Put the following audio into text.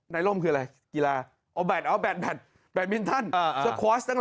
ไนร่มคืออะไรกีฬาเอาแบตเอาแบตแบตแบตมินทันเอ่อเอ่อ